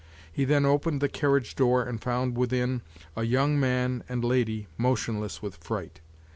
He then opened the carriage door and found within a young man and lady motionless with fright.